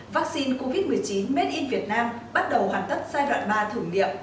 vắc xin covid một mươi chín made in việt nam bắt đầu hoàn tất giai đoạn ba thử nghiệm